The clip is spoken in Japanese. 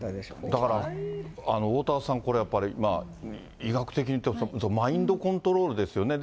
だからおおたわさん、これやっぱり、医学的に言うと、マインドコントロールですよね。